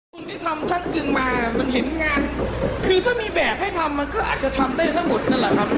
คนที่ทำท่านจึงมามันเห็นงานคือถ้ามีแบบให้ทำมันก็อาจจะทำได้ทั้งหมดนั่นแหละครับ